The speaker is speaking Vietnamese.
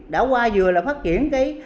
đã qua vừa là phát triển cái